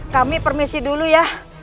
kami permisi dulu ya